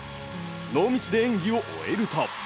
ノーミスで演技を終えると。